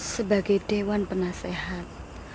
sebagai dewan penasehat